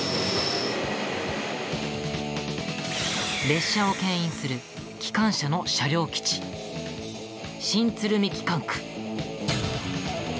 列車をけん引する機関車の車両基地、新鶴見機関区。